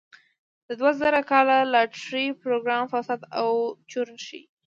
د دوه زره کال د لاټرۍ پروګرام فساد او چور ښيي.